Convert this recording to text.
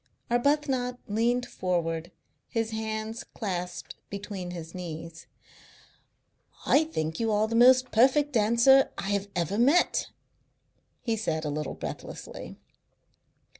Arbuthnot leaned forward, his hands clasped between his knees. "I think you are the most perfect dancer I have ever met," he said a little breathlessly.